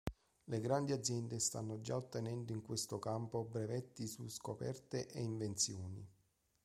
Le grandi aziende stanno già ottenendo in questo campo brevetti su scoperte e invenzioni.